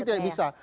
pasti tidak bisa